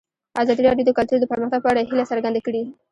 ازادي راډیو د کلتور د پرمختګ په اړه هیله څرګنده کړې.